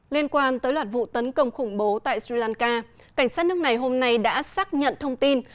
liên quan tới loạt vụ tấn công khủng bố tại sri lanka cảnh sát nước này hôm nay đã xác nhận thông tin